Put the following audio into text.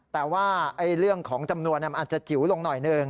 แต่ว่าเรื่องของจำนวนมันอาจจะจิ๋วลงหน่อยหนึ่ง